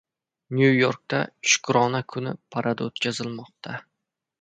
Nyu-Yorkda “shukrona kuni” paradi o‘tkazilmoqda